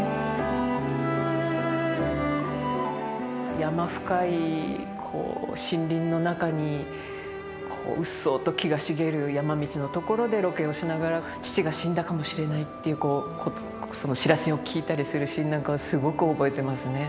山深い森林の中にこううっそうと木が茂る山道の所でロケをしながら父が死んだかもしれないっていうその知らせを聞いたりするシーンなんかはすごく覚えてますね。